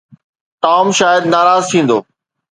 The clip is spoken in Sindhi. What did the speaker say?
ٽام شايد ناراض ٿيندو.